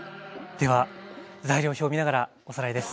では材料表を見ながらおさらいです。